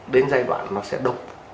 đến giai đoạn nó sẽ đục